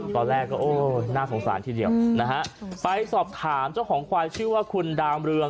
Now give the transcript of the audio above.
ตอนแรกนะโสสารที่เดียวไปสอบถามเจ้าของขวาชื่อว่าคุณดามเรือง